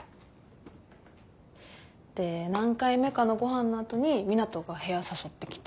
で何回目かのご飯の後に湊斗が部屋誘ってきて。